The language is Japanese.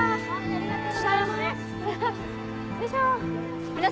ありがとうございます。